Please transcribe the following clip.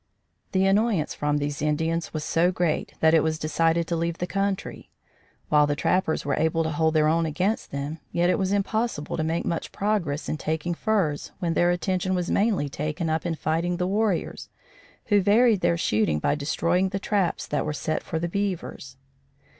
The annoyance from these Indians was so great that it was decided to leave the country. While the trappers were able to hold their own against them, yet it was impossible to make much progress in taking furs, when their attention was mainly taken up in fighting the warriors, who varied their shooting by destroying the traps that were set for the beavers.